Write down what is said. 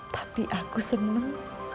tapi aku senang